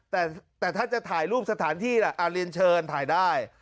แต่ถ้าจะถ่ายรูปสถานที่ล่ะเรียนเชิญถ่ายได้